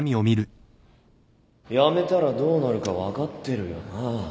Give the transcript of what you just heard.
辞めたらどうなるか分かってるよな？